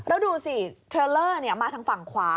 แล้วดูสิเทรลเลอร์มาทางฝั่งขวา